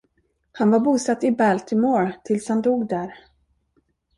Han var bosatt i Baltimore tills han dog där.